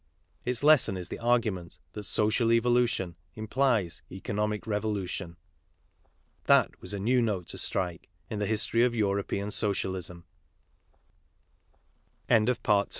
Its lesson is the argument that social evolution implies economic revolution. That was a new note to strike in the history of European So